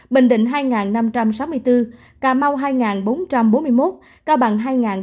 bình định hai năm trăm sáu mươi bốn cà mau hai bốn trăm bốn mươi một cao bằng hai hai trăm năm mươi ba